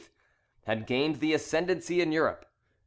had gained the ascendancy in Europe.